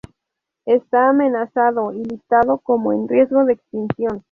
Está amenazado y listado como en riesgo de extinción.